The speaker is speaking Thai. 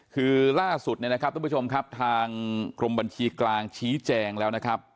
คือล่าสุดเนี่ยนะครับทุกผู้ชมครับทางกรมบัญชีกลางชี้แจงแล้วนะครับ